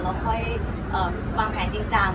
แล้วค่อยวางแผนจริงจัง